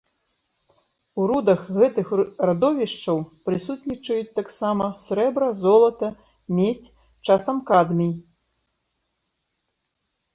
У рудах гэтых радовішчаў прысутнічаюць таксама срэбра, золата, медзь, часам кадмій.